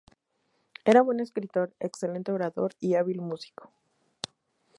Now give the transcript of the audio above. Era buen escritor, excelente orador y hábil músico.